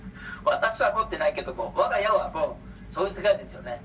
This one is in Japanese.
私は持ってないけども、わが家はもう、そういう世界ですよね。